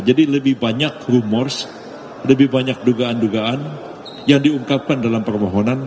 jadi lebih banyak rumors lebih banyak dugaan dugaan yang diungkapkan dalam permohonan